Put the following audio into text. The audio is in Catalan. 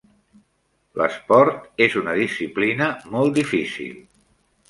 L'esport és una disciplina molt difícil.